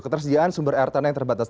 ketersediaan sumber air tanah yang terbatas